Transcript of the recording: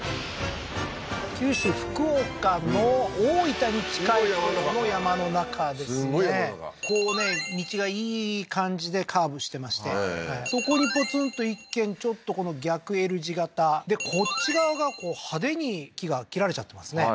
九州福岡の大分に近いほうの山の中ですねすんごい山の中こうね道がいい感じでカーブしてましてそこにポツンと１軒ちょっとこの逆Ｌ字型でこっち側が派手に木が切られちゃってますね